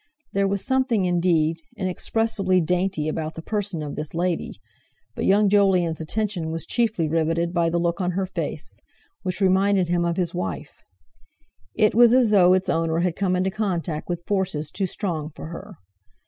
There was something, indeed, inexpressibly dainty about the person of this lady, but young Jolyon's attention was chiefly riveted by the look on her face, which reminded him of his wife. It was as though its owner had come into contact with forces too strong for her.